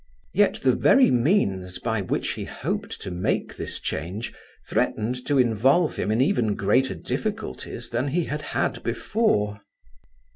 Yet the very means by which he hoped to make this change threatened to involve him in even greater difficulties than he had had before.